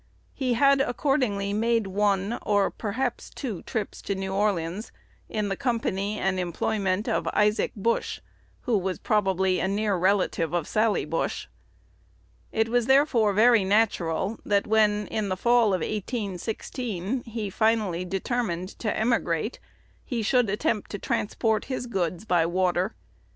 He had accordingly made one, or perhaps two trips to New Orleans, in the company and employment of Isaac Bush, who was probably a near relative of Sally Bush. It was therefore very natural, that when, in the fall of 1816, he finally determined to emigrate, he should attempt to transport his goods by water.